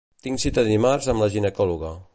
Tinc cita dimarts a la ginecòloga.